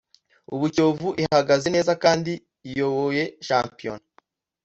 ubu Kiyovu ihagaze neza kandi iyoboye Shampiona